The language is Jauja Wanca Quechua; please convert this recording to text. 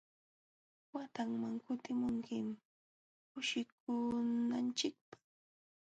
Watanman kutimunkim kushikunanchikpaq.